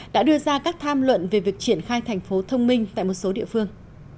đã đưa ra các tham luận về việc triển khai thành phố thông minh tại một số địa phương